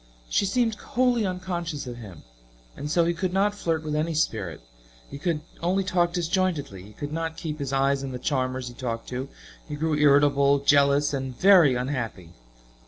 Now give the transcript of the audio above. She seemed wholly unconscious of him, and so he could not flirt with any spirit; he could only talk disjointedly; he could not keep his eyes on the charmers he talked to; he grew irritable, jealous, and very unhappy.